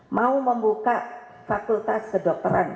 mau membuka fakultas kedokteran